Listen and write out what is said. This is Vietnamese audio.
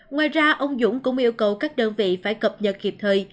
ngoài ra ông dũng cũng yêu cầu các đơn vị phải cập nhật kịp thời